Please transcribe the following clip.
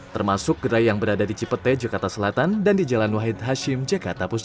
termasuk gerai yang berada di cipete jakarta selatan dan di jalan wahid hashim jakarta